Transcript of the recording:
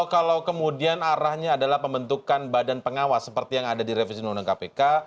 kalau kemudian arahnya adalah pembentukan badan pengawas seperti yang ada di revisi undang undang kpk